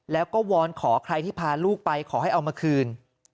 แล้วก็วอนขอใครที่พาลูกไปขอให้เอามาคืน